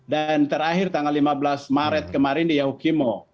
dan terakhir tanggal lima belas maret kemarin di yahukimo